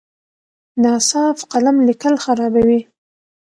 ناصاف قلم لیکل خرابوي.